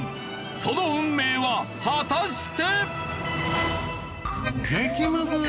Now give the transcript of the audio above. その運命は果たして。